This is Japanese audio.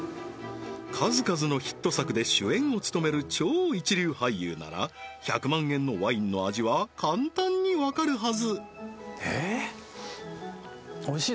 数々のヒット作で主演を務める超一流俳優なら１００万円のワインの味は簡単にわかるはず美味しい？